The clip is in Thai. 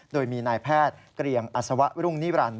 โดยมีนายแพทย์เกรียงอัศวะรุ่งนิรันดิ